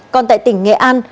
còn tại tỉnh nghệ an